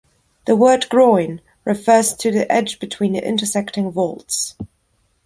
The word "groin" refers to the edge between the intersecting vaults.